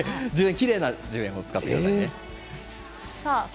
きれいな１０円を使ってください。